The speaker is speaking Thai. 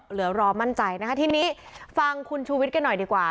เหลือรอมั่นใจนะคะทีนี้ฟังคุณชูวิทย์กันหน่อยดีกว่า